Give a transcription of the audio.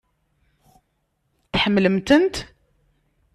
Tḥemmlem-tent?